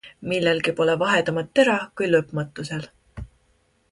Millelgi pole vahedamat tera, kui lõpmatusel.